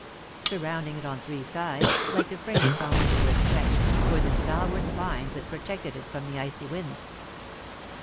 Surrounding it on three sides, like the frame upon which it was stretched, were the stalwart pines that protected it from the icy winds.